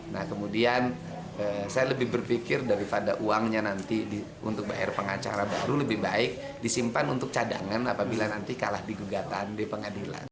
nah kemudian saya lebih berpikir daripada uangnya nanti untuk bayar pengacara baru lebih baik disimpan untuk cadangan apabila nanti kalah di gugatan di pengadilan